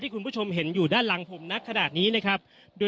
คุณผู้ชมเห็นอยู่ด้านหลังผมนักขนาดนี้นะครับ